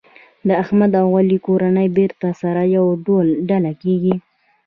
د احمد او علي کورنۍ بېرته سره یوه ډله کېږي.